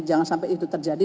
jangan sampai itu terjadi